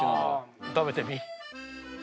食べてみ。